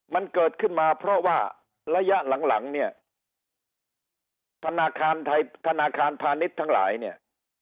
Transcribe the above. มันเกิดขึ้นมาเพราะว่าระยะหลังหลังเนี่ยธนาคารไทยธนาคารพาณิชย์ทั้งหลายเนี่ย